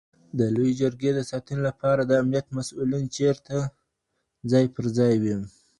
د لویې جرګي د ساتنې لپاره د امنیت مسولین چېرته ځای پر ځای وي؟